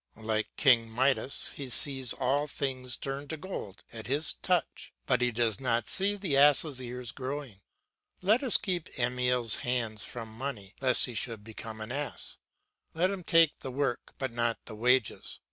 Like King Midas he sees all things turn to gold at his touch, but he does not see the ass' ears growing. Let us keep Emile's hands from money lest he should become an ass, let him take the work but not the wages.